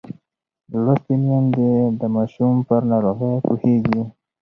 لوستې میندې د ماشوم پر ناروغۍ پوهېږي.